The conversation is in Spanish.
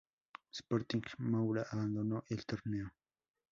Sporting Moura abandonó el torneo.